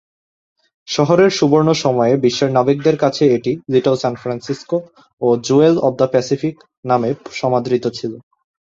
শহরের সুবর্ণ সময়ে বিশ্বের নাবিকদের কাছে এটি "লিটল সান ফ্রান্সিসকো" ও "জুয়েল অব দ্যা প্যাসিফিক" নামে সমাদৃত ছিল।